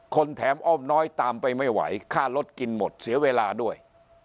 แถมอ้อมน้อยตามไปไม่ไหวค่ารถกินหมดเสียเวลาด้วย